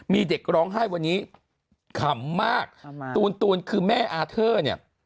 มีเด็กร้องไห้วันนี้ขำมากมันคือแม่เนี่ย